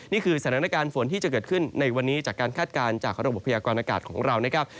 นี่คือสถานการณ์ฝนที่จะเกิดขึ้นในวันนี้จากการคาดการณ์จากระบบพยากรณากาศของเรานะครับ